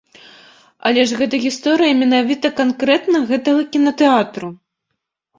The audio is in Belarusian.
Але ж гэта гісторыя менавіта канкрэтна гэтага кінатэатру!